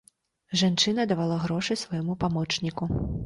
Жанчына давала грошы свайму памочніку.